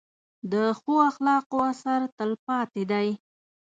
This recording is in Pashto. د ښو اخلاقو اثر تل پاتې دی.